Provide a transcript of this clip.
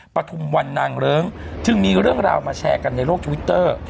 ปฐุมวันนางเริงจึงมีเรื่องราวมาแชร์กันในโลกทวิตเตอร์